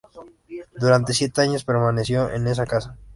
Durante siete años permaneció en esa casa.